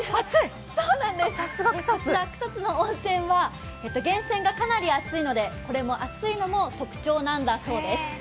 こちら草津の温泉は源泉がかなり熱いので、熱いのも特徴なんだそうです。